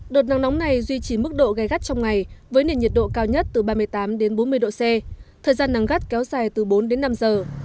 đợt nắng nóng này duy trì mức độ gai gắt trong ngày với nền nhiệt độ cao nhất từ ba mươi tám đến bốn mươi độ c thời gian nắng gắt kéo dài từ bốn đến năm giờ